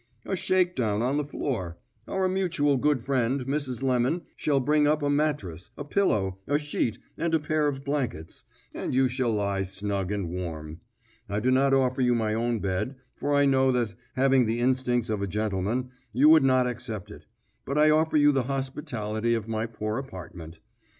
"A shake down on the floor. Our mutual good friend Mrs. Lemon shall bring up a mattress, a pillow, a sheet, and a pair of blankets, and you shall lie snug and warm. I do not offer you my own bed, for I know that, having the instincts of a gentleman, you would not accept it, but I offer you the hospitality of my poor apartment.